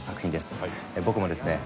僕もですね